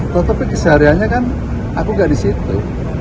tetapi keseharianya kan aku nggak di situ